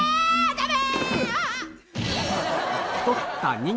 ダメ！